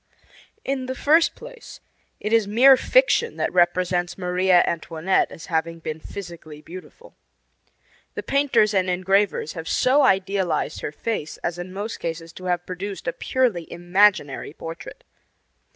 In the first place, it is mere fiction that represents Maria Antoinette as having been physically beautiful. The painters and engravers have so idealized her face as in most cases to have produced a purely imaginary portrait.